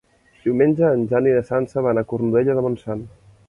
Diumenge en Jan i na Sança van a Cornudella de Montsant.